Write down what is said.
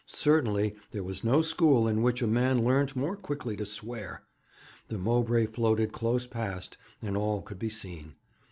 Certainly there was no school in which a man learnt more quickly to swear. The Mowbray floated close past, and all could be seen.